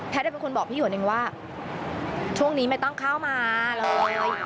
เป็นคนบอกพี่หวนเองว่าช่วงนี้ไม่ต้องเข้ามาเลย